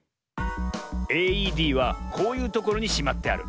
ＡＥＤはこういうところにしまってある。